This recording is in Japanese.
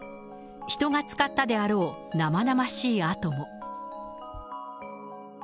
人が使ったであろう、なまなましい跡も。